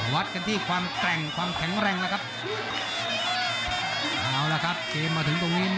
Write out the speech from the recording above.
วัดกันที่ความแกร่งความแข็งแรงนะครับ